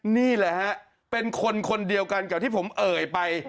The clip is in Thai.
นี่แหละฮะเป็นคนคนเดียวกันกับที่ผมเอ่ยไป